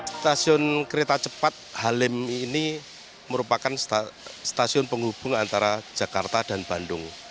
stasiun kereta cepat halim ini merupakan stasiun penghubung antara jakarta dan bandung